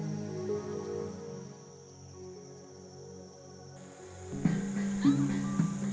kami mencari ikan